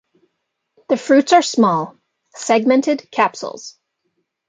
The fruits are small, segmented capsules.